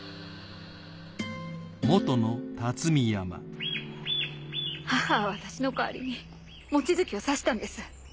ああ母は私の代わりに望月を刺したんです。